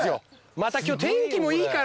また今日天気もいいから。